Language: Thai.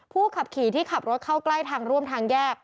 ขับขี่ที่ขับรถเข้าใกล้ทางร่วมทางแยก